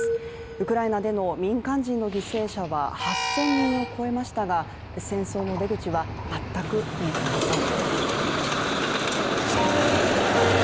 ウクライナでの民間人の犠牲者は８０００人を超えましたが戦争の出口は全く見えていません。